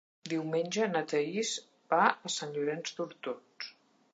Diumenge na Thaís va a Sant Llorenç d'Hortons.